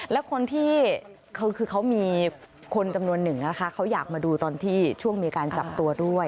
แล้วคนที่คือเขามีคนจำนวนหนึ่งนะคะเขาอยากมาดูตอนที่ช่วงมีการจับตัวด้วย